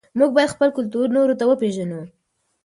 موږ باید خپل کلتور نورو ته وپېژنو.